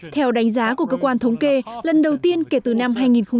theo đánh giá của cơ quan thống kê lần đầu tiên kể từ năm hai nghìn một mươi